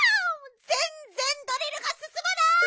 ぜんぜんドリルがすすまない！